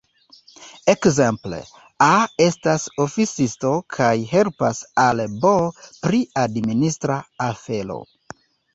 Ekzemple, A estas oficisto kaj helpas al B pri administra afero.